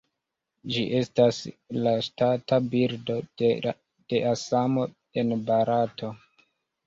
Ĝi estas la ŝtata birdo de Asamo en Barato.